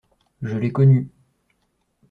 Je l’ai connue.